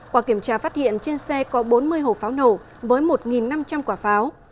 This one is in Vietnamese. qua kiểm tra phát hiện trên xe có bốn mươi hồ pháo nổ với một năm trăm linh quả pháo